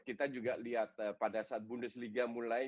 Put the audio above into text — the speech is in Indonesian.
kita juga lihat pada saat bundesliga mulai